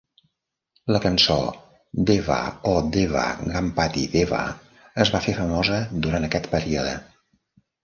La cançó "Deva O Deva Ganpati Deva" es va fer famosa durant aquest període.